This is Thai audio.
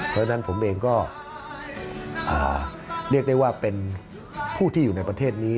เพราะฉะนั้นผมเองก็เรียกได้ว่าเป็นผู้ที่อยู่ในประเทศนี้